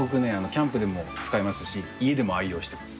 キャンプでも使いますし家でも愛用してます。